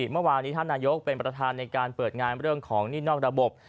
ท่านนายก็เป็นประธานในการเปิดงานเรื่องของนิยนอกระบบ